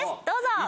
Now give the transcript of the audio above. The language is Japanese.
どうぞ！